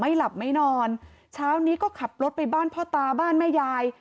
หลับไม่นอนเช้านี้ก็ขับรถไปบ้านพ่อตาบ้านแม่ยาย